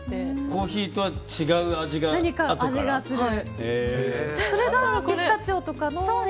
コーヒーとは違う味があとから？